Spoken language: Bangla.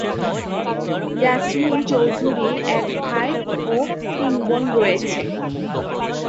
ইয়াসমিন চৌধুরীর এক ভাই ও তিন বোন রয়েছে।